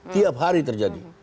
tiap hari terjadi